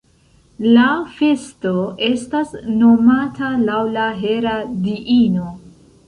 La festo estas nomata laŭ la Hera diino.